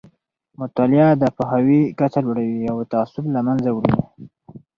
مطالعه د پوهاوي کچه لوړوي او تعصب له منځه وړي.